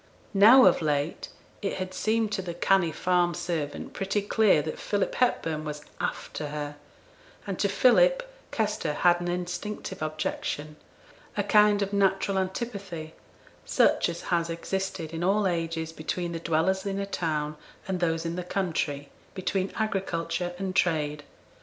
Now, of late, it had seemed to the canny farm servant pretty clear that Philip Hepburn was 'after her'; and to Philip, Kester had an instinctive objection, a kind of natural antipathy such as has existed in all ages between the dwellers in a town and those in the country, between agriculture and trade.